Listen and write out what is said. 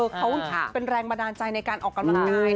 เขาเป็นแรงบันดาลใจในการออกกำลังกาย